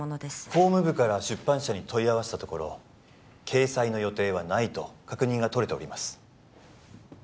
法務部から出版社に問い合わせたところ掲載の予定はないと確認が取れております